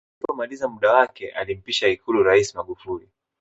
alipomaliza muda wake alimpisha ikulu raisi magufuli